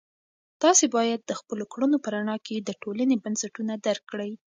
تاسې باید د خپلو کړنو په رڼا کې د ټولنې بنسټونه درک کړئ.